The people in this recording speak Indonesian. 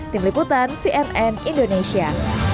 tim liputan cnn indonesia